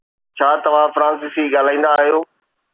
ڇا توهان فرانسيسي ڳالهائيندا آهيو؟